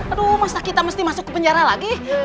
aduh masa kita mesti masuk ke penjara lagi